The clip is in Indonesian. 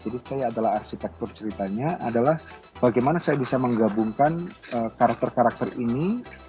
jadi saya adalah arsitektur ceritanya adalah bagaimana saya bisa menggabungkan karakter karakter ini